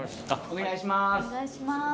お願いします。